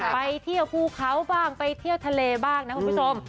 ไปเที่ยวภูเขาบ้างไปเที่ยวทะเลบ้างนะคุณผู้ชม